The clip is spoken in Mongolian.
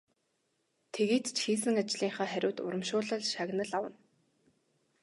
Тэгээд ч хийсэн ажлынхаа хариуд урамшуулал шагнал авна.